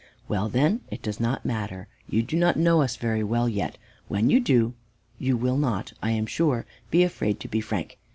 "Well then, it does not matter. You do not know us very well yet. When you do, you will not, I am sure, be afraid to be frank.